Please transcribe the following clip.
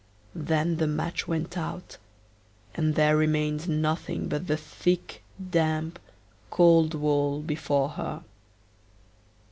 Then the match went out, and there remained nothing but the thick, damp, cold wall before her.